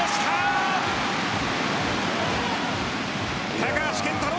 高橋健太郎。